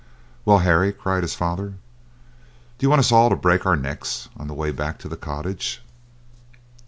"Well, Harry," cried his father, "do you want us all to break our necks on the way back to the cottage?"